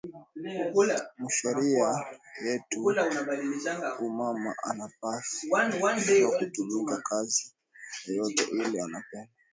Mu sheria yetu mama anapashwa kutumika kazi yoyote ile anapenda